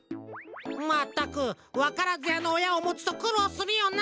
まったくわからずやのおやをもつとくろうするよな。